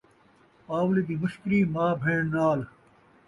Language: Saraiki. پاولی دی مشکری ماء بھیݨ نال